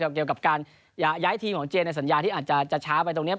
เกี่ยวกับการย้ายทีมของเจในสัญญาที่อาจจะช้าไปตรงนี้